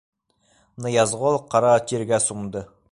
Ныязғол ҡара тиргә сумды.